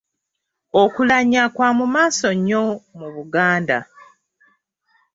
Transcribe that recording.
Okulanya kwa mu maaso nnyo mu Buganda.